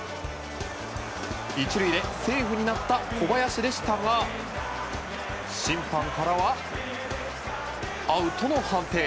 １塁でセーフになった小林でしたが審判からはアウトの判定。